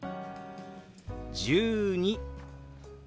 「１２」。